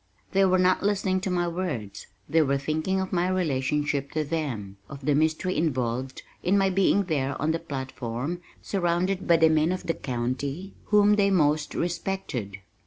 They were not listening to my words, they were thinking of my relationship to them, of the mystery involved in my being there on the platform surrounded by the men of the county whom they most respected.